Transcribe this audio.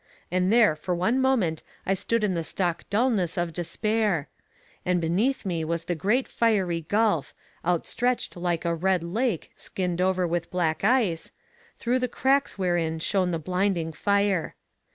And there for one moment I stood in the stock dullness of despair. And beneath me was the great fiery gulf, outstretched like a red lake skinned over with black ice, through the cracks wherein shone the blinding fire.